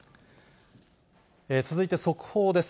続いて速報です。